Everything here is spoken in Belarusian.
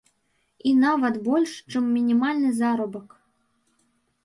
І нават больш, чым мінімальны заробак.